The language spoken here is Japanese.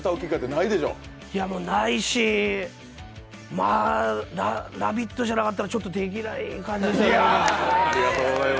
ないし、「ラヴィット！」じゃなかったらちょっとできない感じでしたね。